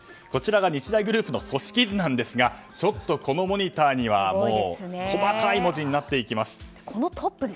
日大グループの組織図なんですがこのモニターには細かい文字になっていきます。